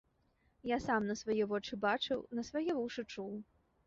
Я сам на свае вочы бачыў, на свае вушы чуў.